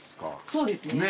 そうですね。